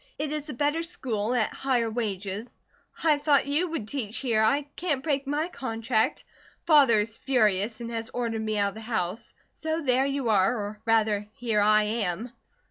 It is a better school, at higher wages. I thought you would teach here I can't break my contract. Father is furious and has ordered me out of the house. So there you are, or rather here I am."